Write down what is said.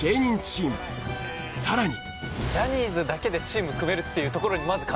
さらに。